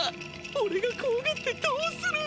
おれがこわがってどうする！